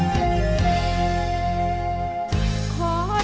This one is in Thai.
ตั้งใจให้ดี